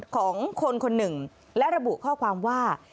ของคนคนหนึ่งและระบุข้อความว่า